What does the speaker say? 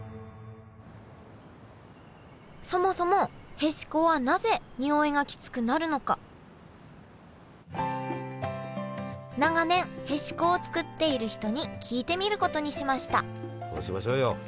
そもそもへしこはなぜにおいがきつくなるのか長年へしこを作っている人に聞いてみることにしました。